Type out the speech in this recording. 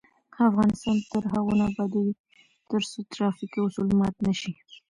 افغانستان تر هغو نه ابادیږي، ترڅو ترافیکي اصول مات نشي.